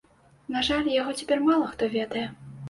На жаль, яго цяпер мала хто ведае.